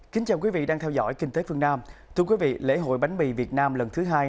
kính chào quý vị đang theo dõi kinh tế phương nam thưa quý vị lễ hội bánh mì việt nam lần thứ hai